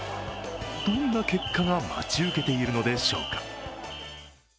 どんな結果が待ち受けているのでしょうか。